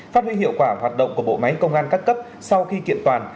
phát huy hiệu quả hoạt động của bộ máy công an các cấp sau khi kiện toàn